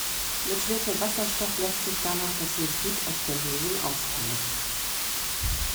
Mit Schwefelwasserstoff lässt sich danach das Sulfid aus der Lösung ausfällen.